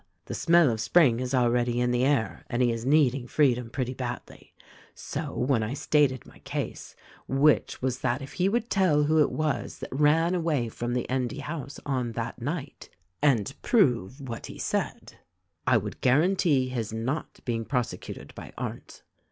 "The smell of spring is already in the air and he is needing freedom pretty badly ; so, when I stated my case, which was that if he would tell who it was that ran away from the Endy house on that night, and prove what he said, I would guarantee his not being prosecuted by Arndt.